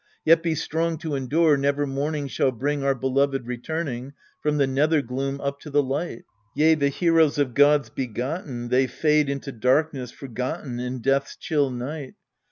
Yet be strong to endure : never mourning shall bring our beloved returning From the nethergloom up to the light. Yea, the heroes of gods begotten, They fade into darkness, forgotten In death's chill night.